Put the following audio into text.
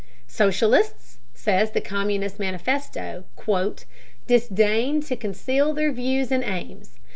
Socialists, says the Communist Manifesto, "disdain to conceal their views and aims.